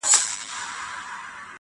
د څڼور تصوير چي په لاسونو کي دی_